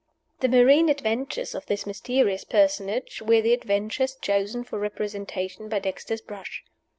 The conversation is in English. The marine adventures of this mysterious personage were the adventures chosen for representation by Dexter's brush.